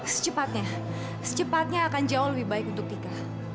secepatnya secepatnya akan jauh lebih baik untuk tika